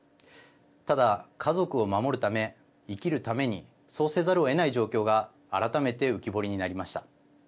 ただ家族を守るため、生きるためにそうせざるをえない状況が改めて浮き彫りになりました。